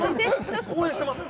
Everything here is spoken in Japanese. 応援してます！